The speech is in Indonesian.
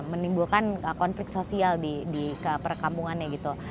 menimbulkan konflik sosial di perkampungannya gitu